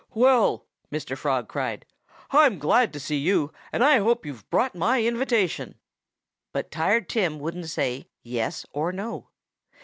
"Well!" Mr. Frog cried. "I'm glad to see you and I hope you've brought my invitation." But Tired Tim wouldn't say yes or no.